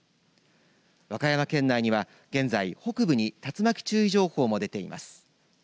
和歌山県内には現在北部に竜巻注意情報も出ています。